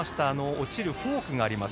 落ちるフォークがあります